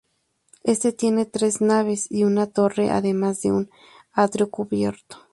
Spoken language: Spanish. Este tiene tres naves y una torre además de un atrio cubierto.